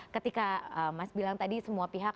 ketika mas bilang tadi semua pihak